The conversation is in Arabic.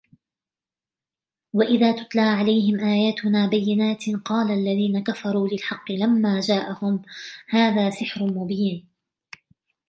وإذا تتلى عليهم آياتنا بينات قال الذين كفروا للحق لما جاءهم هذا سحر مبين